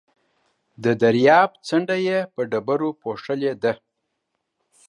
د درياب څنډه يې په ډبرو پوښلې ده.